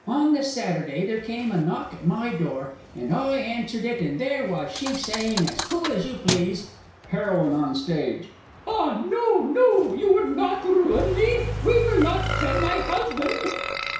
On the Saturday there came a knock at my door, and I answered it, and there was she saying, as cool as you please (HEROINE ON STAGE. "Ah, no, no you would not ruin me? You will not tell my husband?")